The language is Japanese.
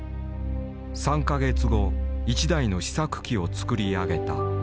３か月後１台の試作機を作り上げた。